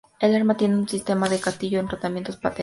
El arma tiene un sistema de gatillo con rodamientos patentado.